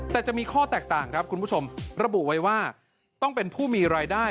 แต่จะมีข้อแตกต่างครับคุณผู้ชมระบุไว้ว่าต้องเป็นผู้มีรายได้